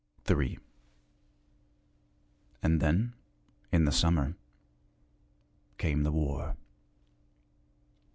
III And then, in the summer, came the war.